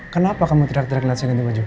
kenapa kamu tirak tirak liat saya ganti wajah